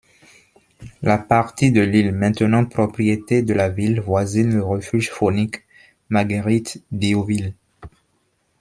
La partie de l’île maintenant propriété de la Ville voisine le refuge faunique Marguerite-D’Youville.